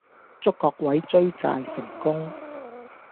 祝各位追債成功